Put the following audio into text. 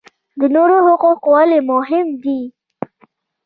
د نورو حقوق ولې مهم دي؟